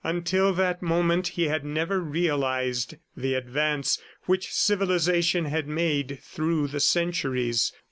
Until that moment he had never realized the advance which civilization had made through the centuries.